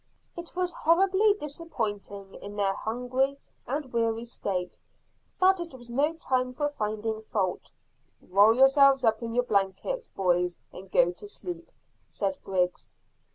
It was horribly disappointing in their hungry and weary state, but it was no time for finding fault. "Roll yourselves up in your blankets, boys, and go to sleep," said Griggs.